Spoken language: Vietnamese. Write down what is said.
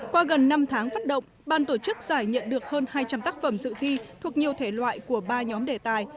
qua gần năm tháng phát động ban tổ chức giải nhận được hơn hai trăm linh tác phẩm dự thi thuộc nhiều thể loại của ba nhóm đề tài